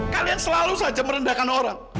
kalian selalu saja merendahkan orang